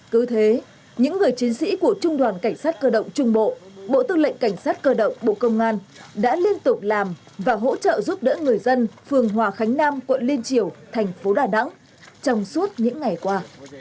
cứ thế những người chiến sĩ của trung đoàn cảnh sát cơ động trung bộ bộ tư lệnh cảnh sát cơ động bộ công an đã liên tục làm và hỗ trợ giúp đỡ người dân phường hòa khánh nam quận liên triều thành phố đà nẵng trong suốt những ngày qua